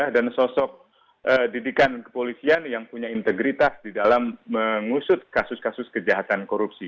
dan sosok didikan kepolisian yang punya integritas di dalam mengusut kasus kasus kejahatan korupsi